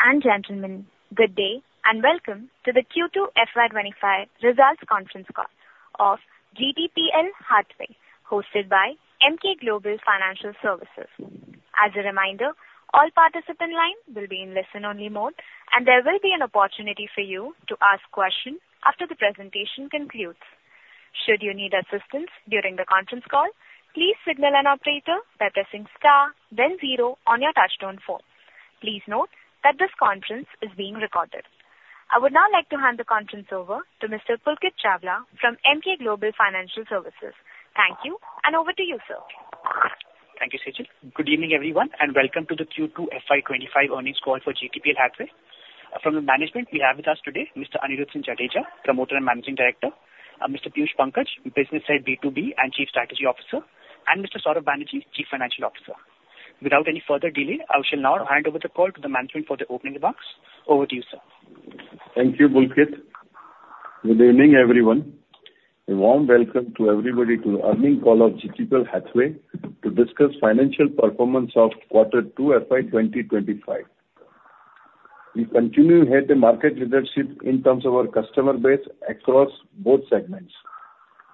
Ladies and gentlemen, good day, and welcome to the Q2 FY twenty-five results conference call of GTPL Hathway, hosted by Emkay Global Financial Services. As a reminder, all participant lines will be in listen-only mode, and there will be an opportunity for you to ask questions after the presentation concludes. Should you need assistance during the conference call, please signal an operator by pressing star then zero on your touchtone phone. Please note that this conference is being recorded. I would now like to hand the conference over to Mr. Pulkit Chawla from Emkay Global Financial Services. Thank you, and over to you, sir. Thank you, Sejal. Good evening, everyone, and welcome to the Q2 FY twenty-five earnings call for GTPL Hathway. From the management, we have with us today Mr. Anirudhsinh Jadeja, Promoter and Managing Director, Mr. Piyush Pankaj, Business Head, B2B and Chief Strategy Officer, and Mr. Saurav Banerjee, Chief Financial Officer. Without any further delay, I shall now hand over the call to the management for the opening remarks. Over to you, sir. Thank you, Pulkit. Good evening, everyone. A warm welcome to everybody to the earnings call of GTPL Hathway to discuss financial performance of quarter two FY twenty twenty-five. We continue to have the market leadership in terms of our customer base across both segments.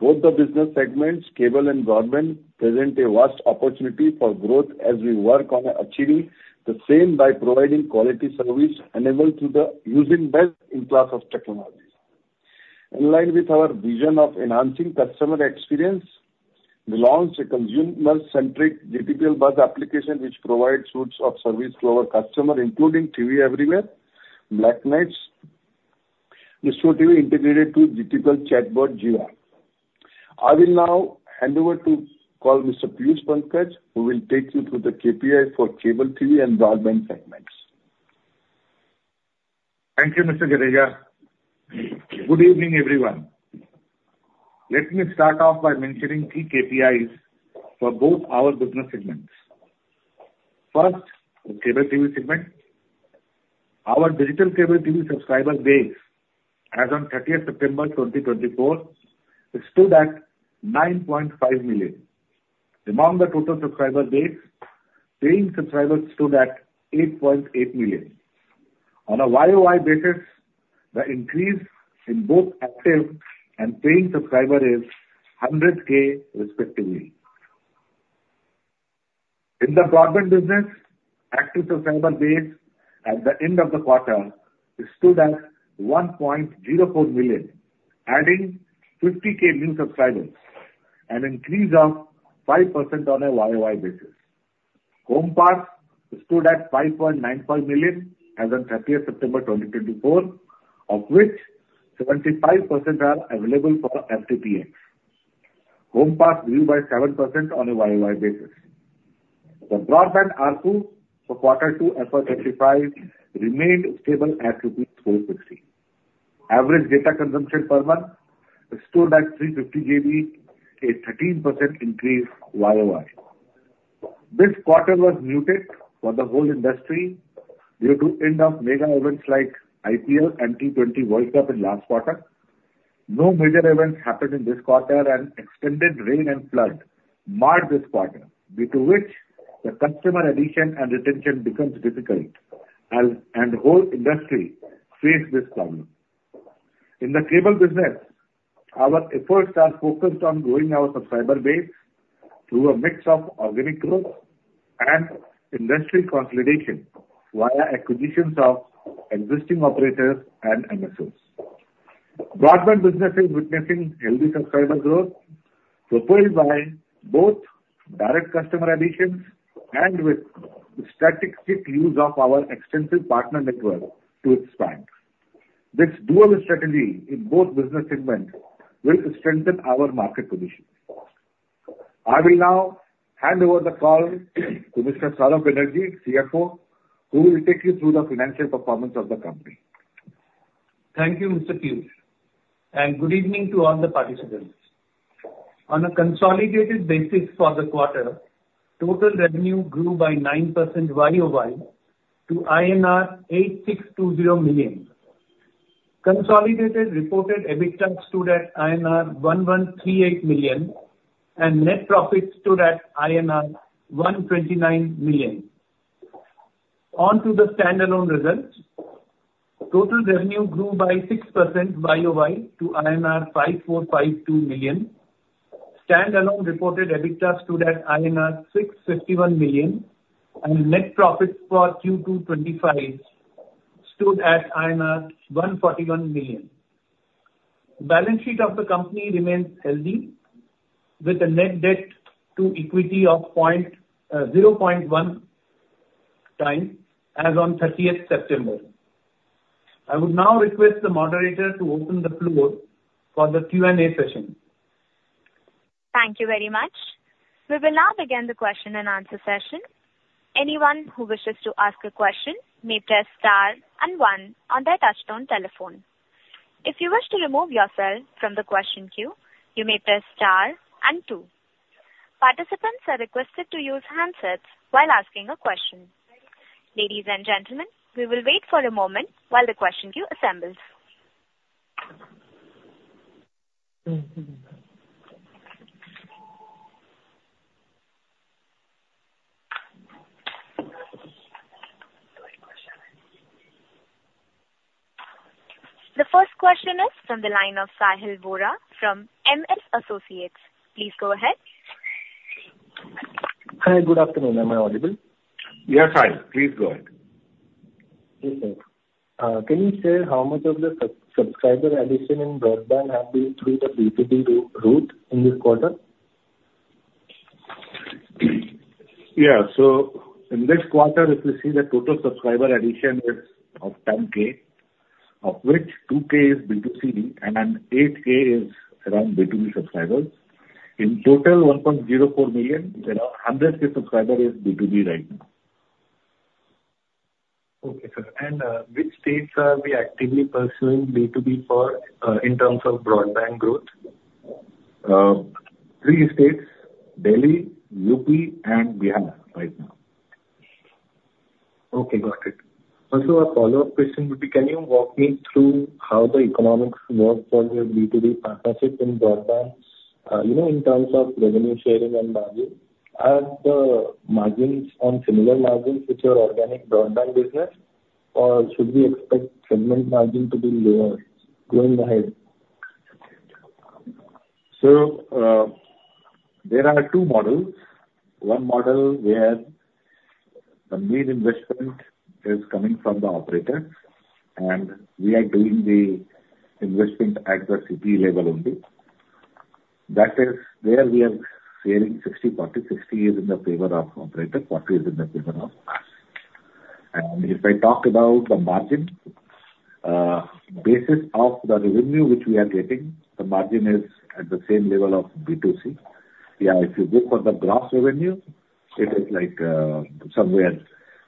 Both the business segments, cable and broadband, present a vast opportunity for growth as we work on achieving the same by providing quality service enabled through using best-in-class technologies. In line with our vision of enhancing customer experience, we launched a consumer-centric GTPL Buzz application, which provides suite of services to our customers, including TV Everywhere, Blacknut. We integrated the GTPL chatbot, GIVA. I will now hand over the call to Mr. Piyush Pankaj, who will take you through the KPI for cable TV and broadband segments. Thank you, Mr. Jadeja. Good evening, everyone. Let me start off by mentioning key KPIs for both our business segments. First, the cable TV segment. Our digital cable TV subscriber base, as on thirtieth September 2024, stood at 9.5 million. Among the total subscriber base, paying subscribers stood at 8.8 million. On a YOY basis, the increase in both active and paying subscriber is 100K, respectively. In the broadband business, active subscriber base at the end of the quarter stood at 1.04 million, adding 50K new subscribers, an increase of 5% on a YOY basis. Home pass stood at 5.95 million as on thirtieth September 2024, of which 75% are available for FTTH. Home pass grew by 7% on a YOY basis. The broadband ARPU for quarter two FY 2025 remained stable at INR 450. Average data consumption per month stood at 350 GB, a 13% increase YOY. This quarter was muted for the whole industry due to end of mega events like IPL and T20 World Cup in last quarter. No major events happened in this quarter, and extended rain and flood marred this quarter, due to which the customer addition and retention becomes difficult and the whole industry face this problem. In the cable business, our efforts are focused on growing our subscriber base through a mix of organic growth and industry consolidation via acquisitions of existing operators and MSOs. Broadband business is witnessing healthy subscriber growth, propelled by both direct customer additions and with strategic use of our extensive partner network to expand. This dual strategy in both business segments will strengthen our market position. I will now hand over the call to Mr. Saurav Banerjee, CFO, who will take you through the financial performance of the company. Thank you, Mr. Piyush, and good evening to all the participants. On a consolidated basis for the quarter, total revenue grew by 9% YOY to INR 8,620 million. Consolidated reported EBITDA stood at INR 1,138 million, and net profit stood at INR 129 million. On to the standalone results: Total revenue grew by 6% YOY to INR 5,452 million. Standalone reported EBITDA stood at INR 651 million, and net profit for Q2 2025 stood at INR 141 million. Balance sheet of the company remains healthy, with a net debt to equity of 0.1 time as on thirtieth September. I would now request the moderator to open the floor for the Q&A session. Thank you very much. We will now begin the question and answer session. Anyone who wishes to ask a question may press star and one on their touchtone telephone. If you wish to remove yourself from the question queue, you may press star and two. Participants are requested to use handsets while asking a question. Ladies and gentlemen, we will wait for a moment while the question queue assembles... The first question is from the line of Sahil Vora from M&S Associates. Please go ahead. Hi, good afternoon. Am I audible? Yes, hi. Please go ahead. Yes, sir. Can you say how much of the subscriber addition in broadband have been through the B2B route in this quarter? Yeah. So in this quarter, if you see the total subscriber addition is of ten K, of which two K is B2C and eight K is around B2B subscribers. In total, one point zero four million, there are hundred K subscriber is B2B right now. Okay, sir, and which states are we actively pursuing B2B for, in terms of broadband growth? Three states, Delhi, UP and Bihar right now. Okay, got it. Also, a follow-up question would be, can you walk me through how the economics work for your B2B partnership in broadband, you know, in terms of revenue sharing and margin? Are the margins on similar margins with your organic broadband business, or should we expect segment margin to be lower going ahead? There are two models. One model where the main investment is coming from the operator, and we are doing the investment at the city level only. That is where we are sharing 60/40. 60 is in the favor of operator, 40 is in the favor of us. And if I talk about the margin, basis of the revenue which we are getting, the margin is at the same level of B2C. Yeah, if you go for the gross revenue, it is like, somewhere,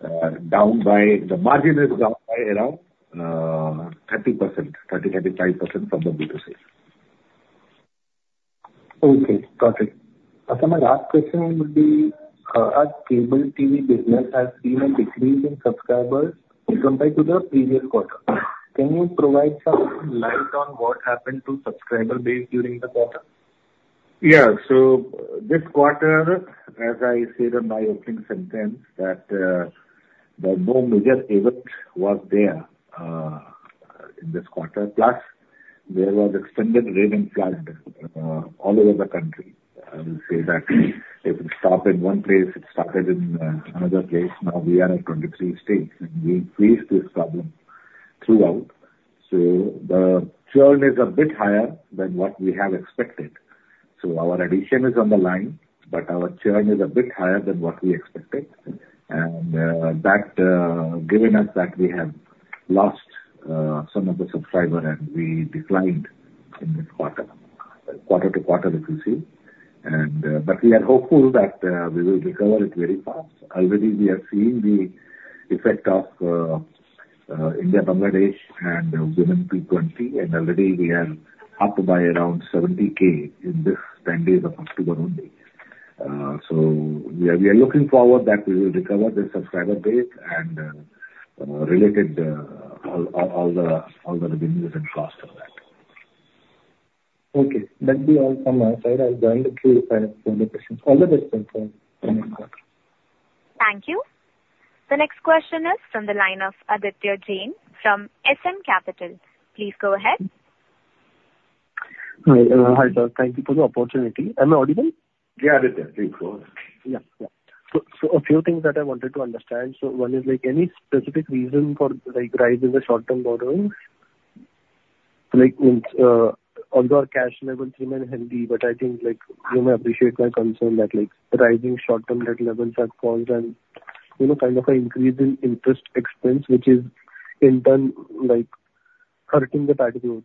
down by... The margin is down by around 30%-35% from the B2C. Okay, got it. Also, my last question would be, our cable TV business has seen a decrease in subscribers compared to the previous quarter. Can you shed some light on what happened to subscriber base during the quarter? Yeah. So this quarter, as I said in my opening sentence, that there are no major event was there in this quarter, plus there was extended rain and flood all over the country. I will say that if it stopped in one place, it started in another place. Now we are in twenty-three states, and we faced this problem throughout. So the churn is a bit higher than what we have expected. So our addition is on the line, but our churn is a bit higher than what we expected. And that giving us that we have lost some of the subscriber, and we declined in this quarter, quarter to quarter, if you see. And but we are hopeful that we will recover it very fast. Already, we are seeing the effect of India, Bangladesh and Women T20, and already we are up by around 70 K in this 10 days of October only. We are looking forward that we will recover the subscriber base and related all the revenues and cost of that. Okay, that's all from my side. I'll join the queue if I have further questions. All the best, sir. Thank you. The next question is from the line of Aditya Jain from SM Capital. Please go ahead. Hi, hi, sir. Thank you for the opportunity. Am I audible? Yeah, Aditya. Please, go ahead. Yeah. So, a few things that I wanted to understand. So one is like any specific reason for, like, rise in the short-term borrowing? Like, I mean, although our cash levels remain healthy, but I think, like, you may appreciate my concern that, like, rising short-term debt levels have caused an, you know, kind of an increase in interest expense, which is in turn, like, hurting the bottom line.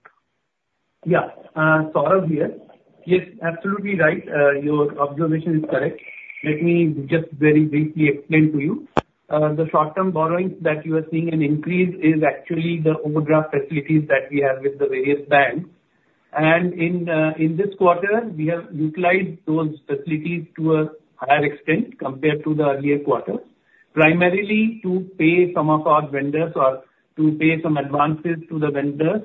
Yeah, Saurav here. Yes, absolutely right. Your observation is correct. Let me just very briefly explain to you. The short-term borrowings that you are seeing an increase is actually the overdraft facilities that we have with the various banks. And in this quarter, we have utilized those facilities to a higher extent compared to the earlier quarter, primarily to pay some of our vendors or to pay some advances to the vendors.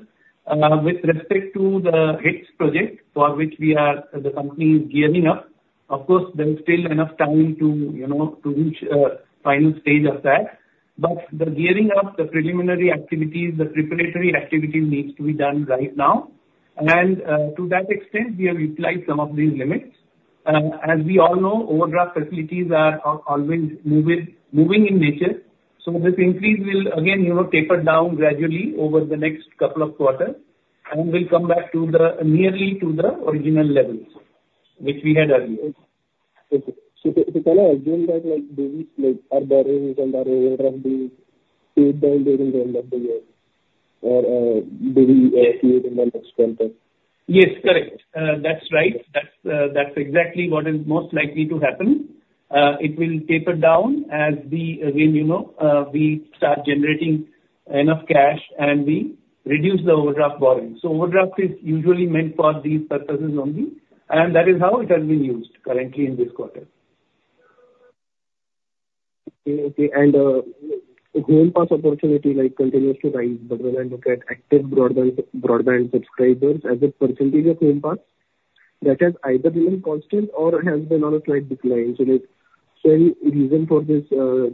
With respect to the HITS project, for which we are, the company is gearing up, of course, there is still enough time to, you know, to reach final stage of that. But the gearing up, the preliminary activities, the preparatory activities needs to be done right now. And to that extent, we have utilized some of these limits. As we all know, overdraft facilities are always moving in nature, so this increase will again, you know, taper down gradually over the next couple of quarters, and we'll come back to nearly the original levels which we had earlier. Okay. So, can I assume that, like, these, like, our borrowings and our overdraft be paid down during the end of the year? Or, do we see it in the next quarter? Yes, correct. That's right. That's, that's exactly what is most likely to happen. It will taper down as we again, you know, we start generating enough cash and we reduce the overdraft borrowing. So overdraft is usually meant for these purposes only, and that is how it has been used currently in this quarter.... Okay, okay, and, Home Pass opportunity like continues to rise, but when I look at active broadband, broadband subscribers as a percentage of Home Pass, that has either been constant or has been on a slight decline. So is there any reason for this,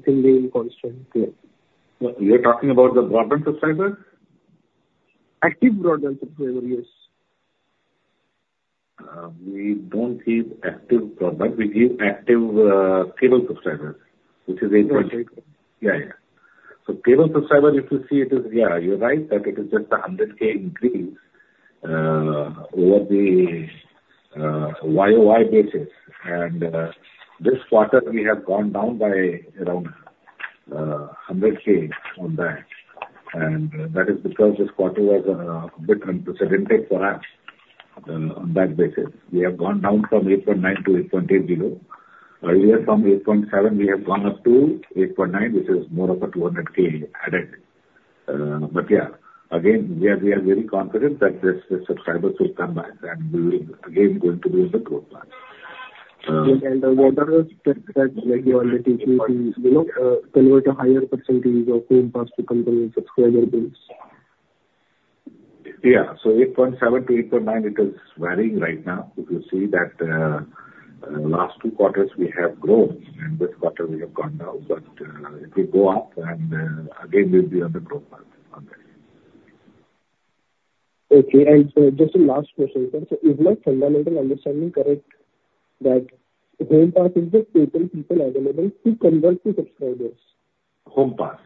staying constant there? You're talking about the broadband subscriber? Active broadband subscriber, yes. We don't give active broadband. We give active cable subscribers, which is eight point. Okay. Yeah, yeah. So, cable subscriber, if you see it, is, yeah, you're right, that it is just a hundred K increase over the YOY basis, and this quarter, we have gone down by around hundred K on that, and that is because this quarter was a bit uncertain for us on that basis. We have gone down from eight point nine to eight point eight zero. Earlier, from eight point seven, we have gone up to eight point nine, which is more of a two hundred K added, but yeah, again, we are very confident that the subscribers will come back and we will again going to be on the growth path. What are the steps that you already took to, you know, convert a higher percentage of home pass to convert subscriber base? Yeah. So eight point seven to eight point nine, it is varying right now. If you see that, last two quarters, we have grown, and this quarter we have gone down, but, it will go up, and, again, we'll be on the growth path on that. Okay. And, just a last question. So is my fundamental understanding correct, that Home Pass is the total people available to convert to subscribers? Home Pass?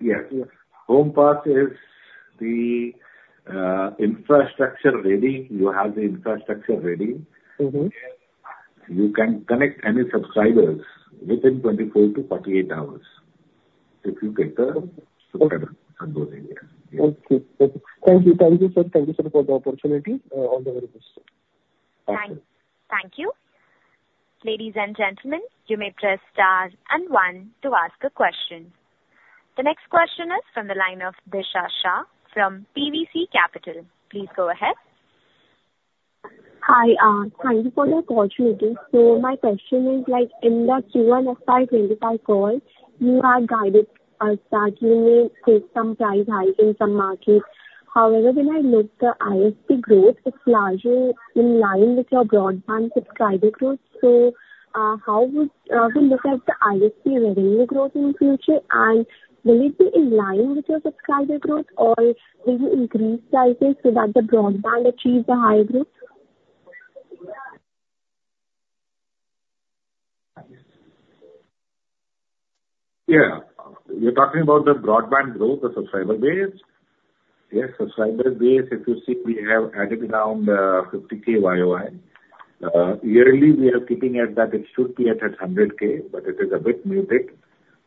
Yes. Yes. Home Pass is the infrastructure ready. You have the infrastructure ready. Mm-hmm. You can connect any subscribers within 24-48 hours if you get the- Okay. Subscriber on board. Yeah. Okay. Okay. Thank you. Thank you, sir. Thank you, sir, for the opportunity, all the very best. Thank you. Ladies and gentlemen, you may press star and one to ask a question. The next question is from the line of Disha Shah from PVC Capital. Please go ahead. Hi, thank you for the opportunity. So my question is like, in the Q1 FY 2025 call, you had guided us that you may take some price hike in some markets. However, when I look the ISP growth, it's largely in line with your broadband subscriber growth. So, how would we look at the ISP revenue growth in future? And will it be in line with your subscriber growth, or will you increase prices so that the broadband achieve the high growth? Yeah. You're talking about the broadband growth, the subscriber base? Yes, subscriber base, if you see, we have added around fifty K YOY. Yearly, we are keeping at that it should be at a hundred K, but it is a bit muted,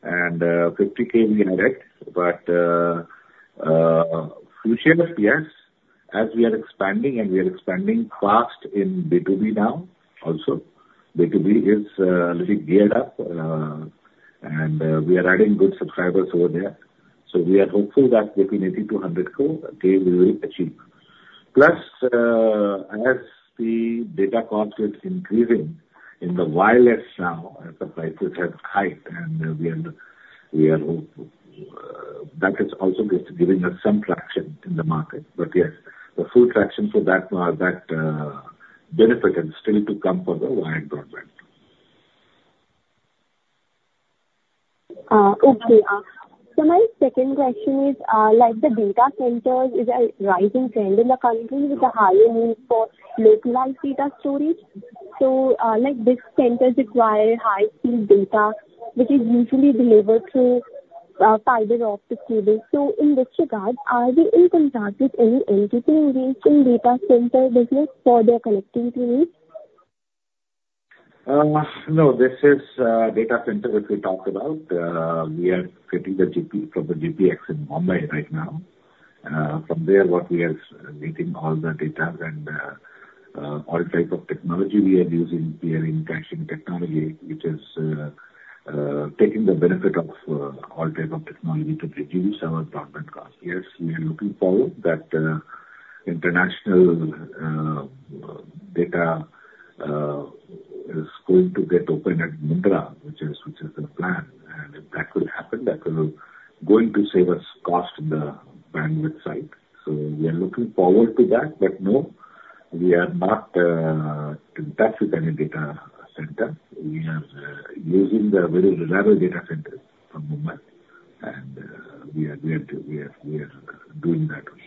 and fifty K we have added. But future is yes, as we are expanding, and we are expanding fast in B2B now also. B2B is little geared up, and we are adding good subscribers over there, so we are hopeful that between eighty to hundred K, they will achieve. Plus, as the data cost is increasing in the wireless now, and the prices have hiked, and that is also just giving us some traction in the market. But yes, the full traction for that benefit is still to come for the wired broadband. Okay. So my second question is, like the data centers is a rising trend in the country with a higher need for localized data storage. So, like, these centers require high-speed data, which is usually delivered through fiber optic cable. So in this regard, are you in contact with any entity engaged in data center business for their connectivity needs? No, this is data center which we talked about. We are getting the GP from the GPX in Mumbai right now. From there, what we are getting all the data and all type of technology we are using, we are engaging technology which is taking the benefit of all type of technology to reduce our broadband cost. Yes, we are looking forward that international data is going to get opened at Mundra, which is the plan. If that will happen, that will going to save us cost in the bandwidth side. We are looking forward to that, but no, we are not in touch with any data center. We are using the very reliable data center from Mumbai, and we are doing that way.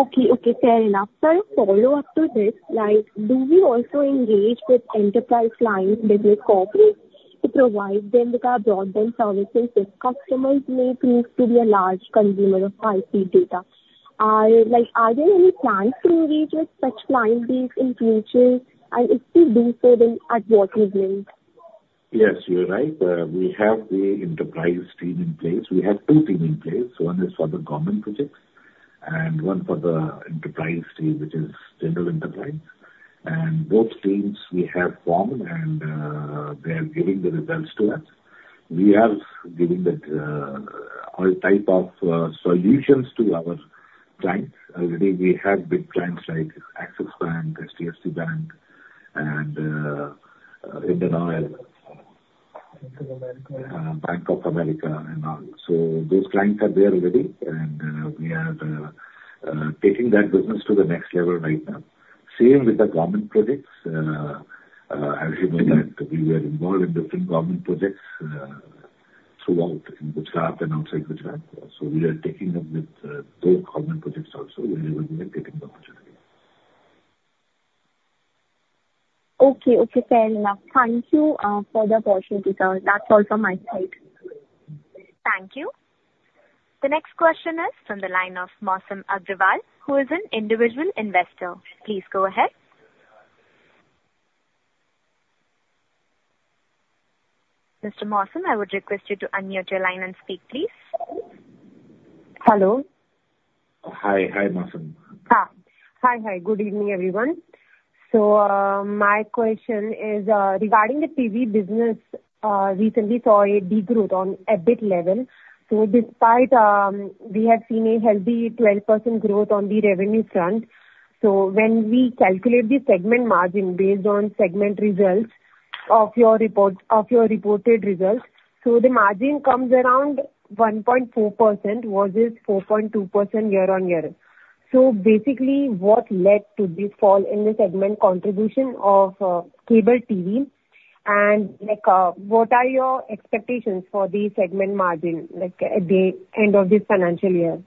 Okay. Okay, fair enough. Sir, a follow-up to this, like, do we also engage with enterprise clients, business corporate, to provide them with our broadband services? These customers may prove to be a large consumer of high-speed data. Like, are there any plans to engage with such client base in future, and if we do so, then at what level? Yes, you're right. We have the enterprise team in place. We have two teams in place. One is for the government projects, and one for the enterprise team, which is general enterprise. And both teams we have formed, and they are giving the results to us. We are giving the all type of solutions to our clients. Already we have big clients like Axis Bank, HDFC Bank, and Indian Oil. Bank of America. Bank of America and all. So those clients are there already, and we are taking that business to the next level right now. Same with the government projects. As you know that we were involved in different government projects throughout in Gujarat and outside Gujarat, so we are taking them with those government projects also, we will be taking the opportunity. Okay. Okay, fair enough. Thank you for the opportunity, sir. That's all from my side. Thank you. The next question is from the line of Mausam Agarwal, who is an individual investor. Please go ahead. Mr. Masum, I would request you to unmute your line and speak, please. Hello? Hi. Hi, Masum. Hi. Good evening, everyone. So, my question is, regarding the TV business, recently saw a degrowth on EBIT level. So despite, we have seen a healthy 12% growth on the revenue front, so when we calculate the segment margin based on segment results of your report, of your reported results, so the margin comes around 1.4% versus 4.2% year on year. So basically, what led to this fall in the segment contribution of, cable TV? And, like, what are your expectations for the segment margin, like, at the end of this financial year?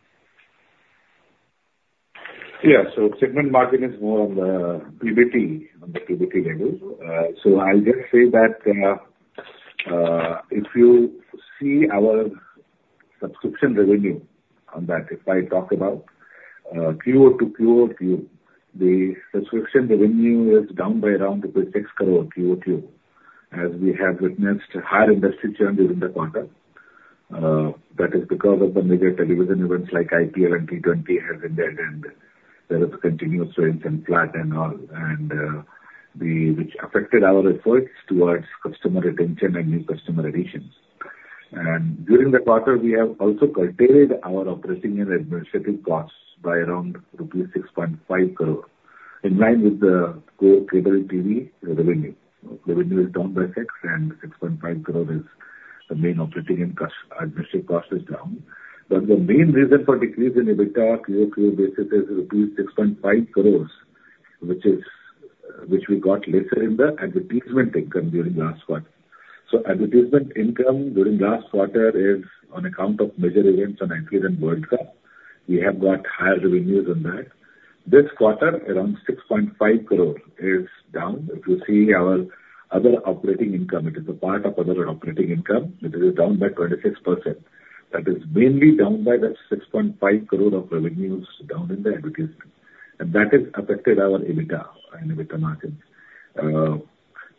Yeah. So segment margin is more on the PBT, on the PBT level. So I'll just say that, if you see our subscription revenue on that, if I talk about, QoQ, the subscription revenue is down by around 6 crore QoQ, as we have witnessed higher industry churn during the quarter. That is because of the major television events like IPL and T20 have ended, and there is continuous rains and flood and all, and which affected our efforts towards customer retention and new customer additions. During the quarter, we have also curtailed our operating and administrative costs by around rupees 6.5 crore, in line with the core cable TV revenue. Revenue is down by 6, and 6.5 crore is the main operating and cost, administrative cost is down. But the main reason for decrease in EBITDA QOQ basis is rupees 6.5 crores, which is, which we got lesser in the advertisement income during last quarter. So advertisement income during last quarter is on account of major events on IPL and World Cup. We have got higher revenues on that. This quarter, around 6.5 crore is down. If you see our other operating income, it is a part of other operating income, it is down by 26%. That is mainly down by the 6.5 crore of revenues, down in the advertisement, and that has affected our EBITDA and EBITDA margin.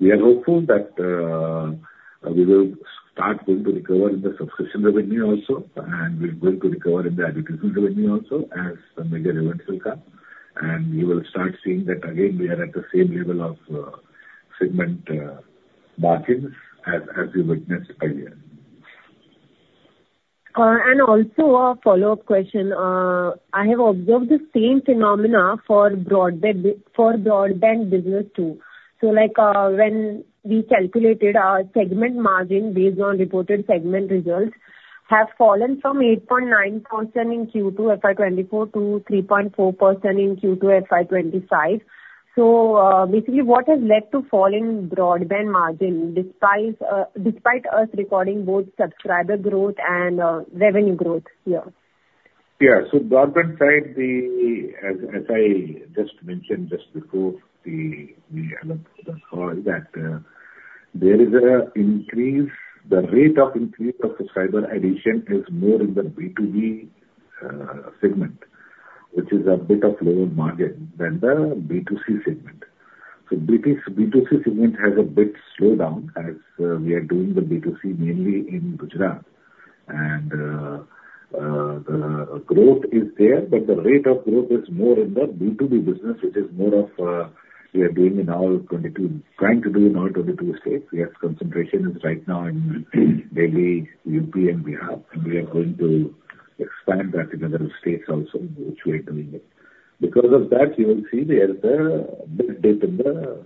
We are hopeful that we will start going to recover the subscription revenue also, and we're going to recover in the advertisement revenue also, as the major events will come. You will start seeing that again, we are at the same level of segment margins as we witnessed earlier. And also a follow-up question. I have observed the same phenomena for broadband business, too. So like, when we calculated our segment margin based on reported segment results, have fallen from 8.9% in Q2 FY 2024 to 3.4% in Q2 FY 2025. So, basically, what has led to fall in broadband margin, despite us recording both subscriber growth and revenue growth here? Yeah. So broadband side, as I just mentioned just before the analyst call, that there is an increase, the rate of increase of subscriber addition is more in the B2B segment, which is a bit of lower margin than the B2C segment. So the B2C segment has a bit slowed down as we are doing the B2C mainly in Gujarat. And the growth is there, but the rate of growth is more in the B2B business, which is more of we are doing in all twenty-two states. Trying to do in all twenty-two states. We have concentration is right now in Delhi, UP and Bihar, and we are going to expand that in other states also, which we are doing it. Because of that, you will see there is a big dip in the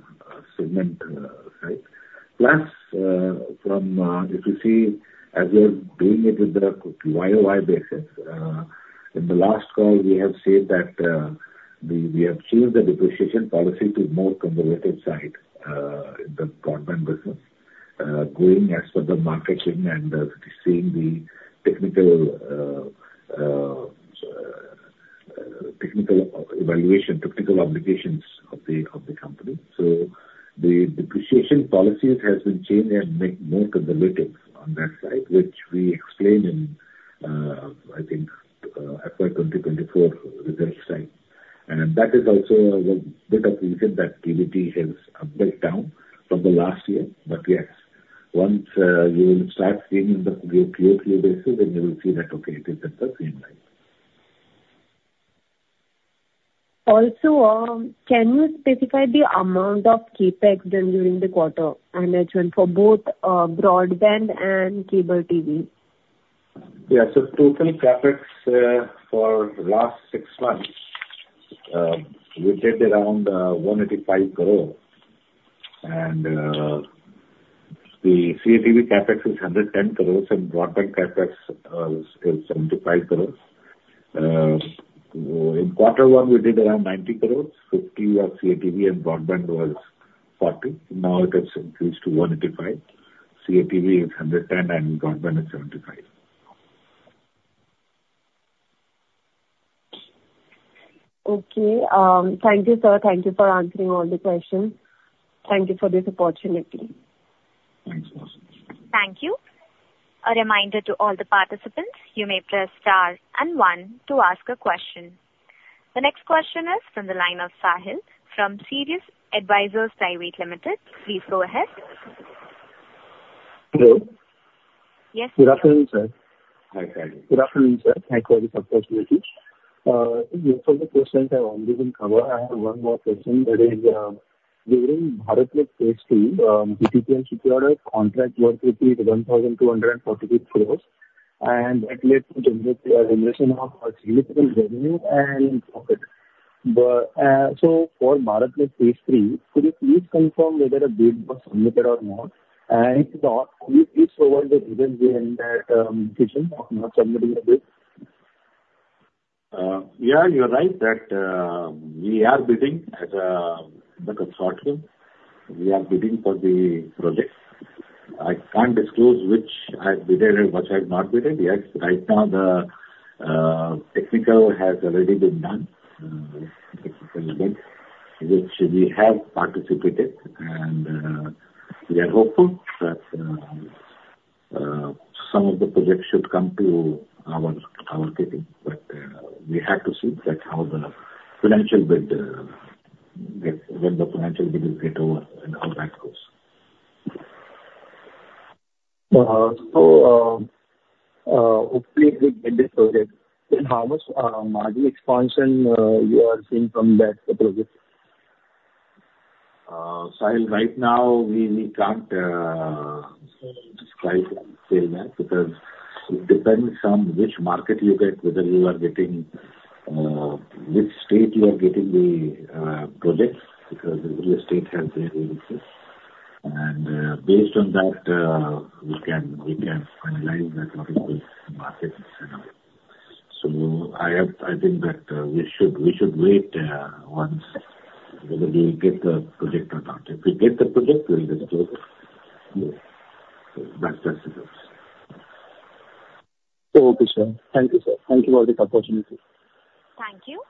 segment side. Plus, from, if you see, as we are doing it with the YOY basis, in the last call, we have said that, we have changed the depreciation policy to more conservative side, in the broadband business, going as per the marketing and, seeing the technical evaluation, technical obligations of the company. So the depreciation policies has been changed and make more conservative on that side, which we explained in, I think, FY 2024 result side. And that is also a bit of reason that PBT has a bit down from the last year. But yes, once, you will start seeing the QOQ basis, then you will see that, okay, it is at the same line.... Also, can you specify the amount of CapEx done during the quarter, and as well for both, broadband and cable TV? Yeah. So total CapEx for last six months we did around 185 crore, and the CATV CapEx is 110 crores, and broadband CapEx is 75 crores. So in quarter one, we did around 90 crores, 50 was CATV, and broadband was 40. Now it has increased to 185. CATV is 110, and broadband is 75. Okay. Thank you, sir. Thank you for answering all the questions. Thank you for this opportunity. Thanks so much. Thank you. A reminder to all the participants, you may press star and one to ask a question. The next question is from the line of Sahil from Sirius Advisors Private Limited. Please go ahead. Hello? Yes. Good afternoon, sir. Hi, Sahil. Good afternoon, sir. Thank you for this opportunity. Most of the questions have already been covered. I have one more question. That is, during BharatNet phase two, GTPL secured a contract worth up to rupees 1,242 crores, and that led to generation of significant revenue and profit. But, so for BharatNet phase three, could you please confirm whether a bid was submitted or not? And if not, could you please provide the reason behind that, decision of not submitting a bid? Yeah, you're right, that we are bidding as a consortium. We are bidding for the project. I can't disclose which I've bidded and which I've not bidded yet. Right now, the technical has already been done, technical event, which we have participated, and we are hopeful that some of the projects should come to our bidding. But we have to see that how the financial bid, when the financial bid is get over and how that goes. So, hopefully you get this project, then how much margin expansion you are seeing from that project? Sahil, right now, we can't describe still that, because it depends on which market you get, whether you are getting which state you are getting the projects, because every state has their own needs. And based on that, we can finalize that market and all. So I think that we should wait once whether we get the project or not. If we get the project, we'll discuss more. So that's it. Okay, sir. Thank you, sir. Thank you for this opportunity. Thank you.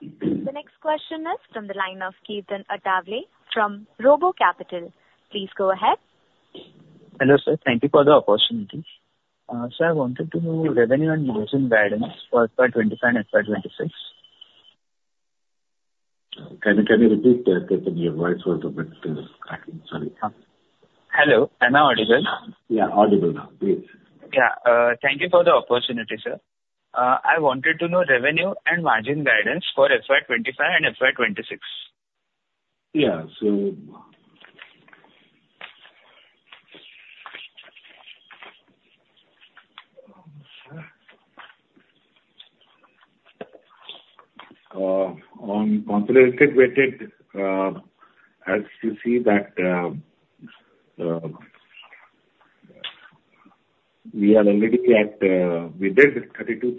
The next question is from the line of Ketan Athawale from RoboCapital. Please go ahead. Hello, sir, thank you for the opportunity. Sir, I wanted to know revenue and margin guidance for FY twenty-five and FY twenty-six. Can you repeat that, Ketan? Your voice was a bit cracking. Sorry. Hello, am I audible? Yeah, audible now. Please. Yeah. Thank you for the opportunity, sir. I wanted to know revenue and margin guidance for FY 2025 and FY 2026. Yeah. So, on consolidated weighted, as you see that, we are already at, we did 32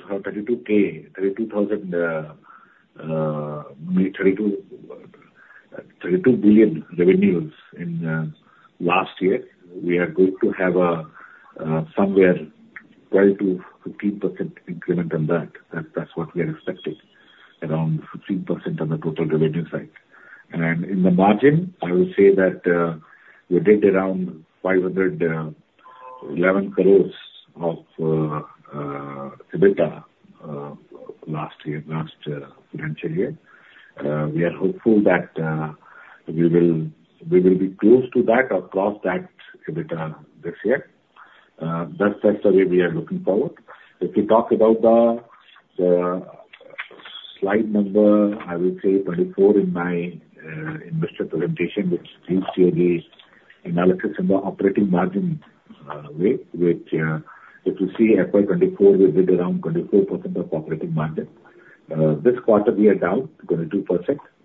billion revenues in last year. We are going to have a somewhere 12-15% increment on that. That's what we are expecting, around 15% on the total revenue side. And in the margin, I would say that, we did around 511 crores of EBITDA last year, last financial year. We are hopeful that we will be close to that or cross that EBITDA this year. That's the way we are looking forward. If you talk about the slide number, I would say 34 in my investor presentation, which gives you the analysis and the operating margin rate, which if you see FY 2024, we did around 24% of operating margin. This quarter we are down 22%,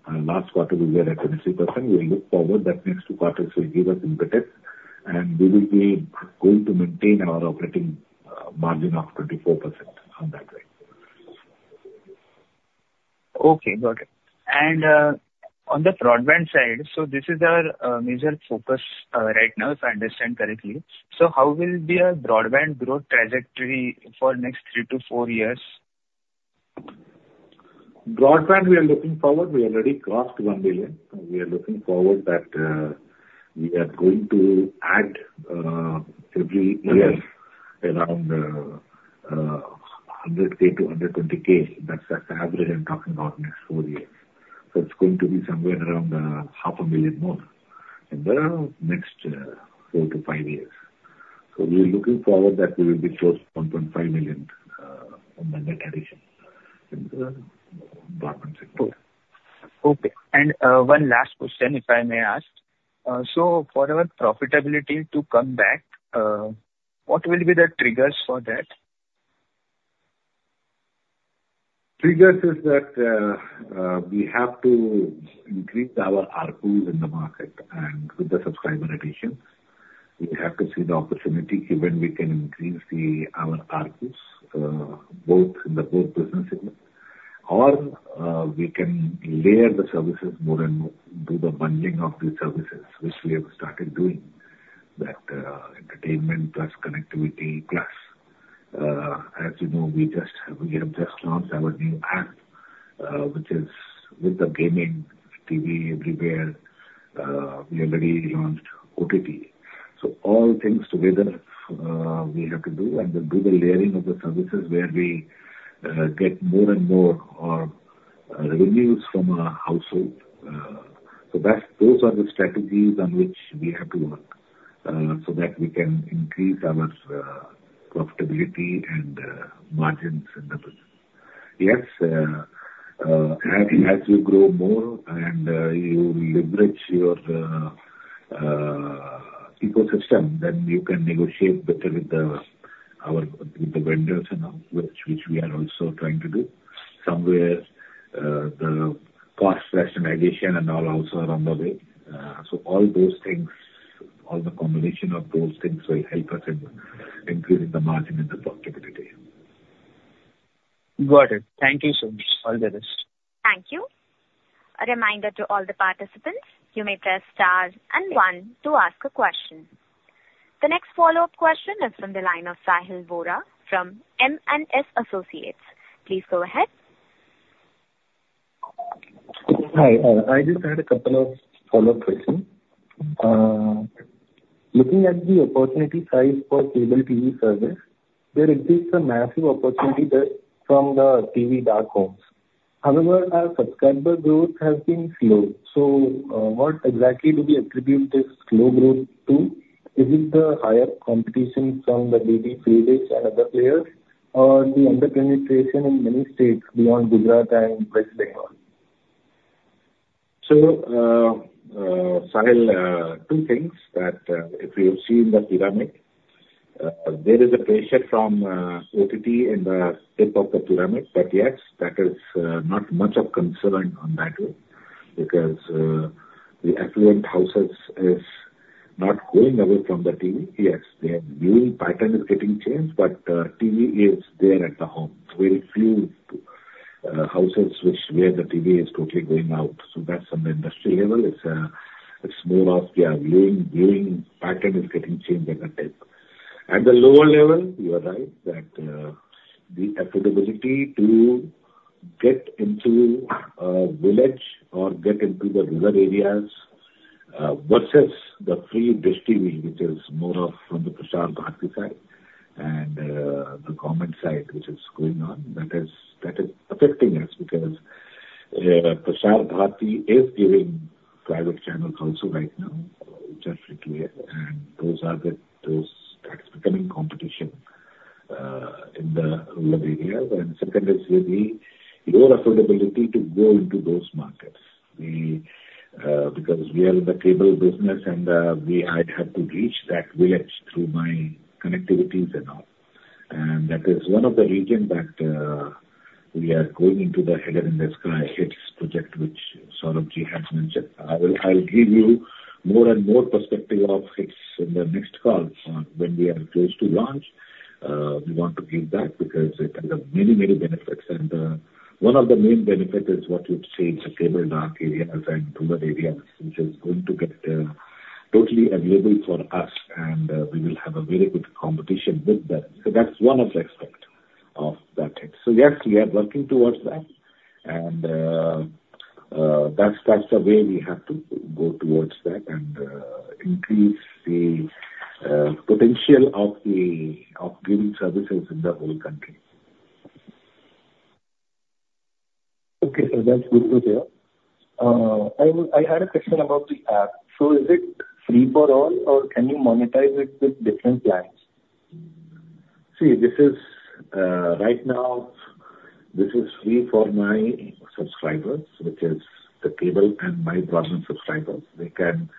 and last quarter we were at 23%. We look forward that next two quarters will give us impetus, and we will be going to maintain our operating margin of 24% on that rate. Okay, got it. And, on the broadband side, so this is our major focus right now, if I understand correctly. So how will be our broadband growth trajectory for next three to four years? Broadband, we are looking forward. We already crossed one billion. We are looking forward that we are going to add every year around 100K to 120K. That's the average I'm talking about next four years. So it's going to be somewhere around 500,000 more in the next four to five years. So we are looking forward that we will be close to 1.5 million net addition in the broadband sector. Okay. And, one last question, if I may ask. So for our profitability to come back, what will be the triggers for that? The triggers are that we have to increase our ARPU in the market, and with the subscriber additions, we have to see the opportunity, even we can increase our ARPUs both in both business segments. Or we can layer the services more and more, do the bundling of these services, which we have started doing, entertainment plus connectivity plus. As you know, we just launched our new app, which is with gaming TV Everywhere. We already launched OTT. So all things together we have to do, and then do the layering of the services where we get more and more revenues from our households. So those are the strategies on which we have to work so that we can increase our profitability and margins in the business. Yes, as you grow more and you leverage your ecosystem, then you can negotiate better with our vendors and all, which we are also trying to do. Somewhere the cost rationalization and all also are on the way. So all those things, all the combination of those things will help us in increasing the margin and the profitability. Got it. Thank you so much. All the best. Thank you. A reminder to all the participants, you may press Star and One to ask a question. The next follow-up question is from the line of Sahil Vora from M&S Associates. Please go ahead. Hi. I just had a couple of follow-up question. Looking at the opportunity size for cable TV service, there exists a massive opportunity there from the TV dark homes. However, our subscriber growth has been slow, so what exactly do we attribute this slow growth to? Is it the higher competition from the DTH players and other players, or the under-penetration in many states beyond Gujarat and West Bengal? Sahil, two things that if you have seen the pyramid, there is a pressure from OTT in the tip of the pyramid, but yes, that is not much of concern on that way, because the affluent houses is not going away from the TV. Yes, their viewing pattern is getting changed, but TV is there at the home. Very few houses where the TV is totally going out, so that's on the industry level. It's more of yeah, viewing pattern is getting changed in the tip. At the lower level, you are right that the affordability to get into village or get into the rural areas versus the free dish TV, which is more of from the Prasar Bharati side and the government side, which is going on, that is affecting us because Prasar Bharati is giving private channels also right now, just like here, and those that is becoming competition in the rural areas, and second is with the lower affordability to go into those markets. We because we are in the cable business, and we, I'd have to reach that village through my connectivities and all, and that is one of the reason that we are going into the Headend-in-the-Sky HITS project, which Saurav Ji has mentioned. I will, I'll give you more and more perspective of HITS in the next call, when we are close to launch. We want to give that because it has a many, many benefits. One of the main benefit is what you've seen in the cable dark areas and rural areas, which is going to get totally available for us, and we will have a very good competition with that. So that's one of the aspect of that HITS. So yes, we are working towards that, and that's the way we have to go towards that, and increase the potential of giving services in the whole country. Okay, sir, that's good to hear. I had a question about the app. So is it free for all, or can you monetize it with different plans? See, this is, right now, this is free for my subscribers, which is the cable and my broadband subscribers. They can,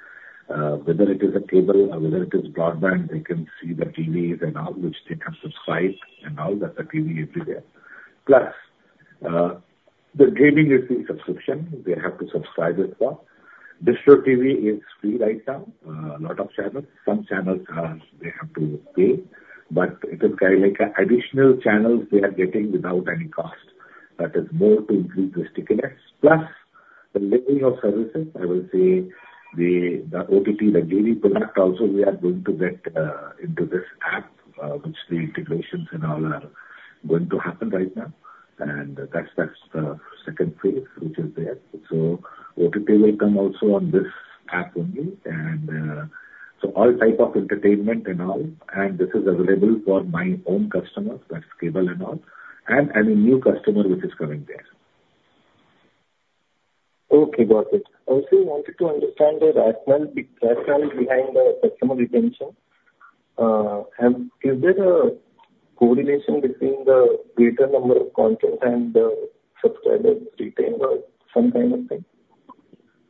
whether it is a cable or whether it is broadband, they can see the TVs and all, which they can subscribe and all, that's the TV Everywhere. Plus, the gaming is the subscription. They have to subscribe as well. DistroTV is free right now. A lot of channels. Some channels, they have to pay, but it is kind of like an additional channels they are getting without any cost. That is more to increase the stickiness. Plus, the layering of services, I will say the, the OTT, the daily product also, we are going to get, into this app, which the integrations and all are going to happen right now. And that's, that's the second phase, which is there. So OTT will come also on this app only, and, so all type of entertainment and all, and this is available for my own customers, that's cable and all, and any new customer which is coming there.... Okay, got it. I also wanted to understand the rationale behind the customer retention. And is there a correlation between the greater number of content and the subscribers retained or some kind of thing?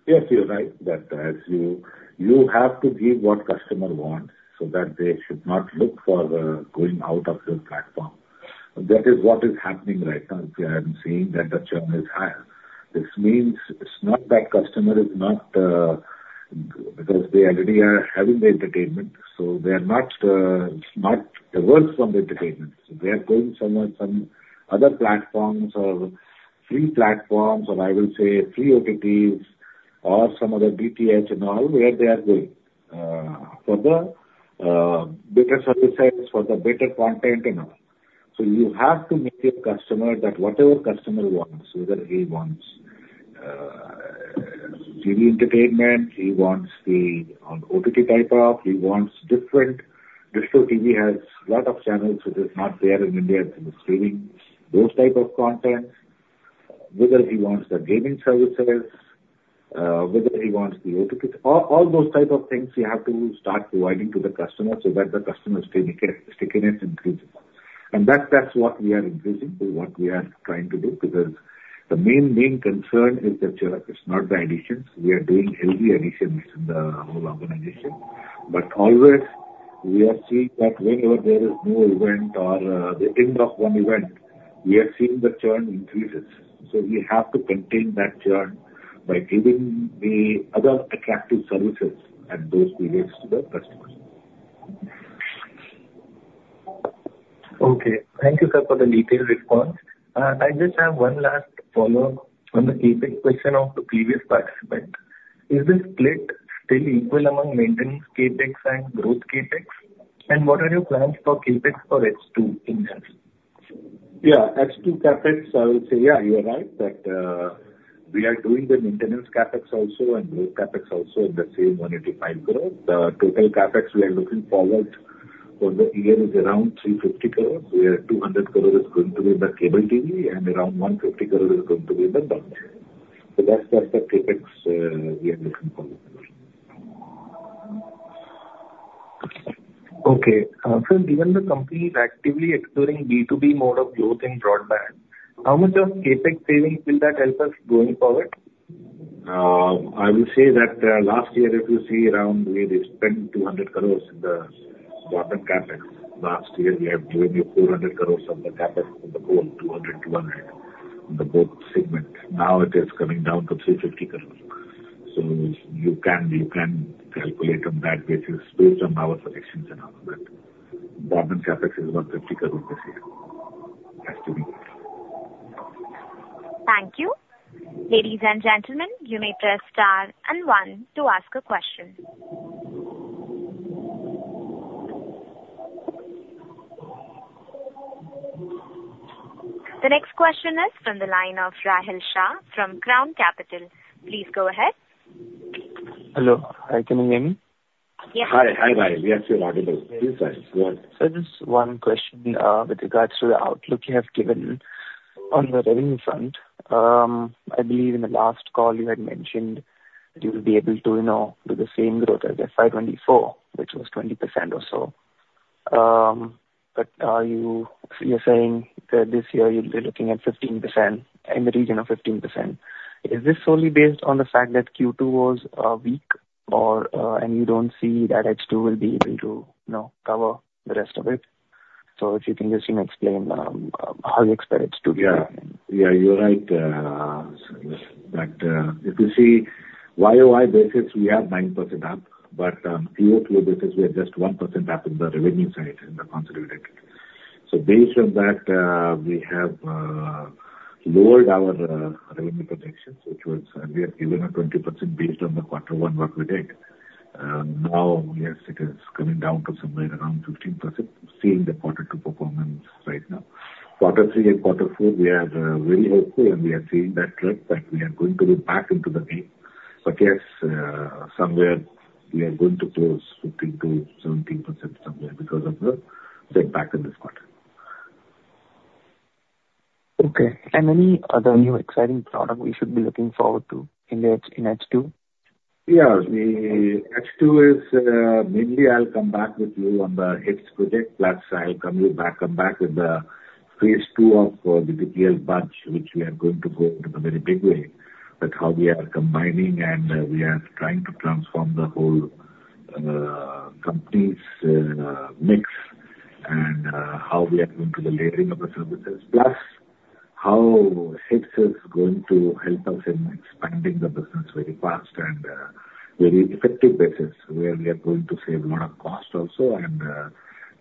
Yes, you're right, that as you, you have to give what customer wants, so that they should not look for, going out of your platform. That is what is happening right now. I'm seeing that the churn is high. This means it's not that customer is not, because they already are having the entertainment, so they are not, not averse from the entertainment. So they are going somewhere, some other platforms or free platforms, or I will say free OTTs or some other DTH and all, where they are going, for the, better services, for the better content and all. So you have to meet your customer, that whatever customer wants, whether he wants, TV entertainment, he wants the, OTT type of, he wants different. Dish TV has lot of channels, which is not there in India, and is streaming those type of content. Whether he wants the gaming services, whether he wants the OTT, all those type of things we have to start providing to the customer so that the customer's stickiness increases. That's what we are increasing, is what we are trying to do, because the main concern is the churn. It's not the additions. We are doing healthy additions in the whole organization, but always we are seeing that whenever there is new event or the end of one event, we are seeing the churn increases. So we have to contain that churn by giving the other attractive services at those periods to the customers. Okay. Thank you, sir, for the detailed response. I just have one last follow-up on the CapEx question of the previous participant. Is the split still equal among maintenance CapEx and growth CapEx? And what are your plans for CapEx for H2 in hand? Yeah. H2 CapEx, I will say, yeah, you are right, that, we are doing the maintenance CapEx also and growth CapEx also in the same 185 crore. The total CapEx we are looking forward for the year is around 350 crores, where 200 crore is going to be the cable TV and around 150 crore is going to be the broadband. So that's, that's the CapEx, we are looking for. Okay. Sir, given the company is actively exploring B2B mode of growth in broadband, how much of CapEx savings will that help us going forward? I will say that, last year, if you see around, we did spend 200 crore in the bottom CapEx. Last year, we have given you 400 crore of the CapEx, the whole 200, 100, in the both segment. Now it is coming down to 350 crore. So you can calculate on that basis based on our projections and all that. Bottom CapEx is 150 crore this year, as to be. Thank you. Ladies and gentlemen, you may press Star and One to ask a question. The next question is from the line of Rahil Shah from Crown Capital. Please go ahead. Hello. Hi, can you hear me? Yeah. Hi, hi, hi. We are still audible. Please go ahead, go on. So just one question, with regards to the outlook you have given on the revenue front. I believe in the last call you had mentioned that you will be able to, you know, do the same growth as the FY 2024, which was 20% or so. But are you saying that this year you'll be looking at 15%, in the region of 15%. Is this solely based on the fact that Q2 was weak or and you don't see that H2 will be able to, you know, cover the rest of it? So if you can just, you know, explain how you expect H2 to be. Yeah. Yeah, you're right. So yes, that, if you see YOY basis, we are 9% up, but, QOQ basis, we are just 1% up in the revenue side, in the consolidated. So based on that, we have lowered our revenue projections, which was, we have given a 20% based on the quarter one what we did. Now, yes, it is coming down to somewhere around 15%, seeing the quarter two performance right now. Quarter three and quarter four, we are really hopeful, and we are seeing that trend, that we are going to be back into the game. But yes, somewhere we are going to close 15%-17% somewhere because of the setback in this quarter. Okay. And any other new exciting product we should be looking forward to in H2? Yeah. The H2 is mainly I'll come back with you on the HITS project, plus I'll come back with the phase two of the GTPL Buzz, which we are going to go in a very big way, with how we are combining and we are trying to transform the whole company's mix, and how we are going to the layering of the services. Plus, how HITS is going to help us in expanding the business very fast and very effective basis, where we are going to save a lot of cost also, and a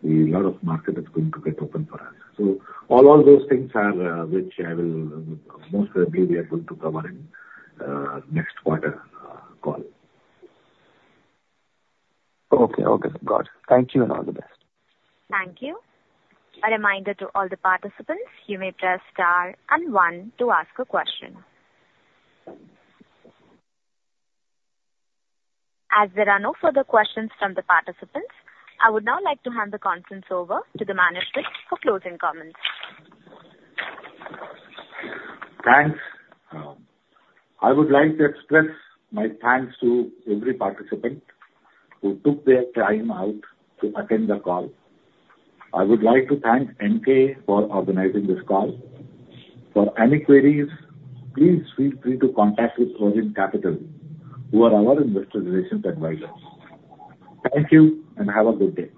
lot of market is going to get open for us. So all those things are which I will, most likely we are going to cover in next quarter call. Okay. Okay, got it. Thank you and all the best. Thank you. A reminder to all the participants, you may press Star and One to ask a question. As there are no further questions from the participants, I would now like to hand the conference over to the manager for closing comments. Thanks. I would like to express my thanks to every participant who took their time out to attend the call. I would like to thank NK for organizing this call. For any queries, please feel free to contact with Progeon Capital, who are our investor relations advisors. Thank you, and have a good day.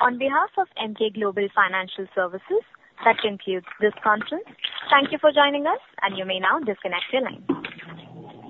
On behalf of Emkay Global Financial Services, that concludes this conference. Thank you for joining us, and you may now disconnect your line.